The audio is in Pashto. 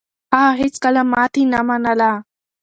هغه هيڅکله ماتې نه منله.